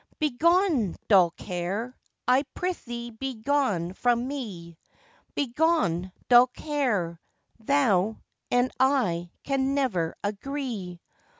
] BEGONE, dull care! I prithee begone from me; Begone, dull care! Thou and I can never agree.